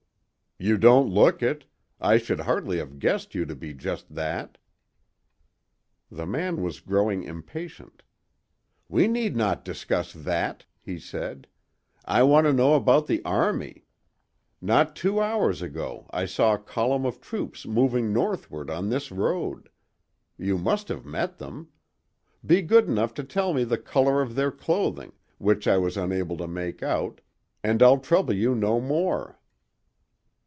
"You don't look it; I should hardly have guessed you to be just that." The man was growing impatient. "We need not discuss that," he said; "I want to know about the army. Not two hours ago I saw a column of troops moving northward on this road. You must have met them. Be good enough to tell me the color of their clothing, which I was unable to make out, and I'll trouble you no more."